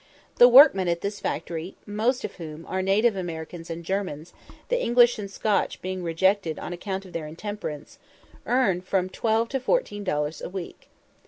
The workmen at this factory (most of whom are native Americans and Germans, the English and Scotch being rejected on account of their intemperance) earn from 12 to 14 dollars a week.